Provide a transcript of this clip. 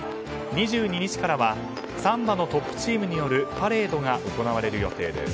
２２日からはサンバのトップチームによるパレードが行われる予定です。